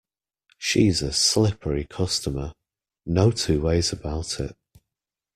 She's a slippery customer, no two ways about it.